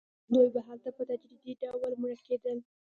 دوی به هلته په تدریجي ډول مړه کېدل.